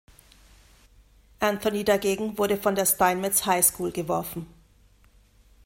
Anthony dagegen wurde von der "Steinmetz High School" geworfen.